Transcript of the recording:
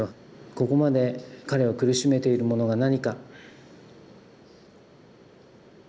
ここまで彼を苦しめているものが何か。